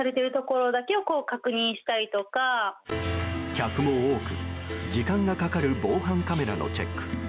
客も多く時間がかかる防犯カメラのチェック。